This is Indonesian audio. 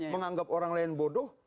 menganggap orang lain bodoh